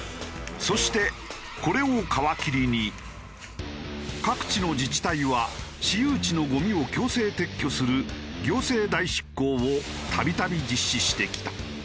そしてこれを皮切りに各地の自治体は私有地のゴミを強制撤去する行政代執行を度々実施してきた。